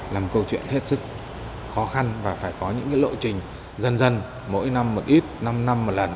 là một câu chuyện hết sức khó khăn và phải có những lộ trình dần dần mỗi năm một ít năm năm một lần